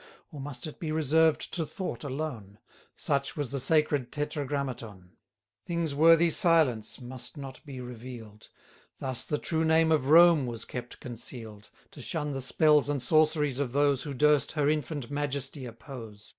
Or must it be reserved to thought alone? Such was the sacred Tetragrammaton. Things worthy silence must not be reveal'd; Thus the true name of Rome was kept conceal'd, To shun the spells and sorceries of those 200 Who durst her infant majesty oppose.